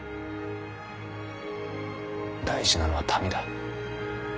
大事なのは民だ。